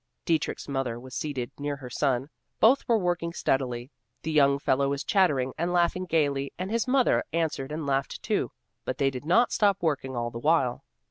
Dietrich's mother was seated near her son; both were working steadily, the young fellow was chattering and laughing gaily, and his mother answered and laughed too, but they did not stop working all the while.